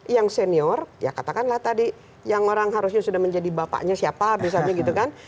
yang senior ya katakanlah tadi yang orang harusnya sudah menjadi bapaknya siapa misalnya gitu kan